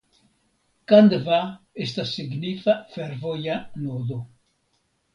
Kandva estas signifa fervoja nodo.